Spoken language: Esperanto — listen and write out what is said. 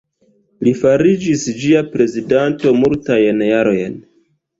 Li fariĝis ĝia prezidanto multajn jarojn.